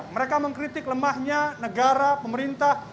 mereka mengkritik lemahnya negara pemerintah